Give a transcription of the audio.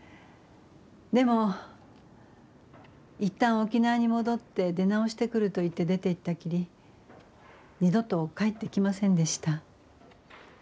でも一旦沖縄に戻って出直してくると言って出ていったきり二度と帰ってきませんでした。